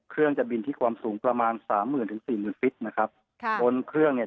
เครื่องจะบินที่ความสูงประมาณสามหมื่นถึงสี่หมื่นฟิตนะครับค่ะบนเครื่องเนี่ย